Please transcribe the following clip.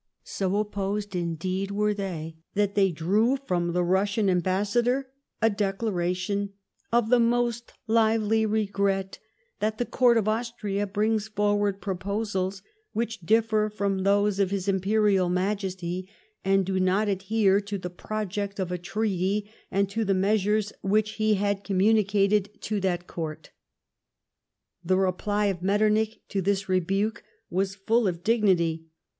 So opposed indeed were they that they drew from the Russian Ambassador a Declaration of " the most lively regret that the Court of Austria brings forward proposals which differ from those of his Imperial Majesty, and do not adhere to the project of a treaty and to the measures which he had communicated to that Court." The reply of Metternich to this rebuke was full of dignity.